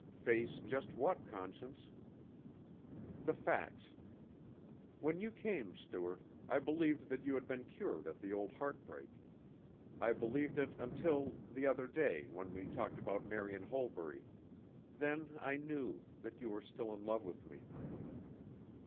"Face just what, Conscience?" "The facts. When you came, Stuart, I believed that you had been cured of the old heartbreak. I believed it until the other day when we talked about Marian Holbury then I knew that you were still in love with me."